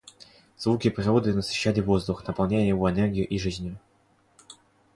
Звуки природы насыщали воздух, наполняя его энергией и жизнью.